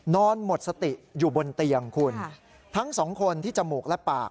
นอนหมดสติอยู่บนเตียงคุณทั้งสองคนที่จมูกและปาก